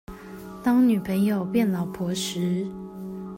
當女朋友變老婆時